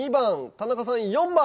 田中さん４番。